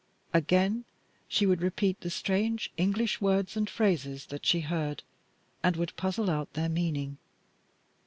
Again she would repeat the strange English words and phrases that she heard, and would puzzle out their meaning.